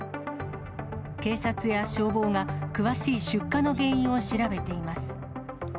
警察や消防が詳しい出火の原因を調べています。